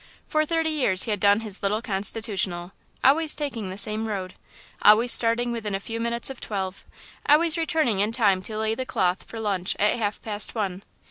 For thirty years he had done his little constitutional, always taking the same road, always starting within a few minutes of twelve, always returning in time to lay the cloth for lunch at half past one.